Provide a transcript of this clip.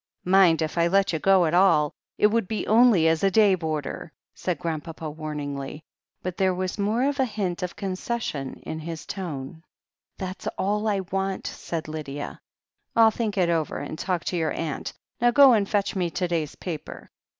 "Mind, if I let you go at all, it would be only as a day boarder," said Grandpapa warningly. But there was more than a hint of concession in his tone. "That's all I want," said Lydia. "I'll think it over, and talk to your aunt. Now go and fetch me to day's paper."